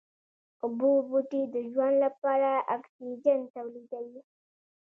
اوبو بوټي د ژوند لپاره اکسيجن توليدوي